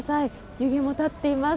湯気もたっています。